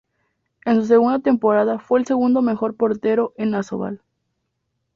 En su segunda temporada fue el segundo mejor portero en Asobal.